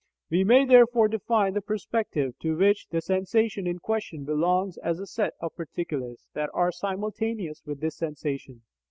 We may therefore define the "perspective" to which the sensation in question belongs as the set of particulars that are simultaneous with this sensation.